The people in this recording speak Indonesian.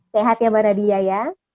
sehat ya mbak nadia ya